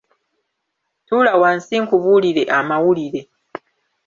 Tuula wansi nkubuulire amawulire.